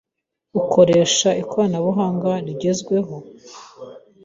Ukoresha ikoranabuhanga rigezweho?